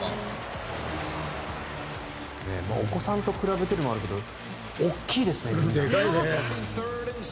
お子さんと比べてるのもあるけど、大きいですね。